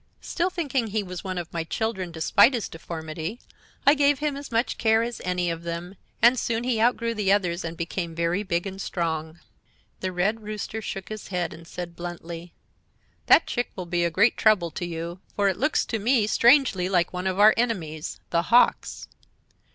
Still thinking he was one of my children, despite his deformity, I gave him as much care as any of them, and soon he outgrew the others and became very big and strong. "The Red Rooster shook his head, and said, bluntly: "'That chick will be a great trouble to you, for it looks to me strangely like one of our enemies, the Hawks.'